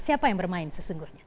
siapa yang bermain sesungguhnya